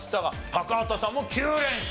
高畑さんも９連勝。